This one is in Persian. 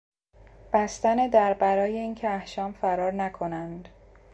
بستن در برای اینکه احشام فرار نکنند